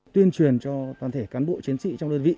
tuyên truyền cho toàn thể cán bộ chiến sĩ trong đơn vị